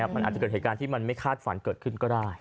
มันอาจจะเกิดเหตุการณ์ที่มันไม่คาดฝันเกิดขึ้นก็ได้